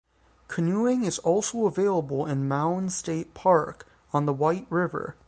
Canoeing is also available in Mounds State Park, on the White River.